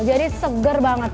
jadi seger banget